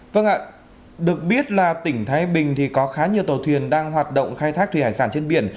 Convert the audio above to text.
vâng ạ được biết là tỉnh thái bình thì có khá nhiều tàu thuyền đang hoạt động khai thác thủy hải sản trên biển